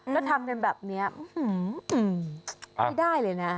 แล้วทำกันแบบนี้ไม่ได้เลยนะ